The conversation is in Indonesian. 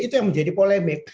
itu yang menjadi polemik